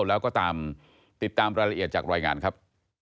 แล้วก็ตามติดตามรายละเอียดจากรายงานครับ